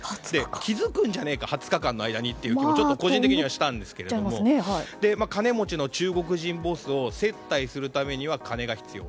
気づくんじゃないか２０日間の間にって個人的にはしたんですけども金持ちの中国人ボスを接待するためには金が必要。